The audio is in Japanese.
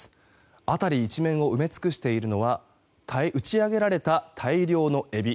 辺り一面を埋め尽くしているのは打ち揚げられた大量のエビ。